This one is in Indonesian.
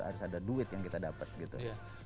harus ada duit yang kita dapat gitu